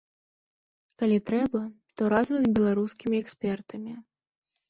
Калі трэба, то разам з беларускімі экспертамі.